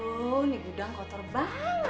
duh ini gudang kotor banget ya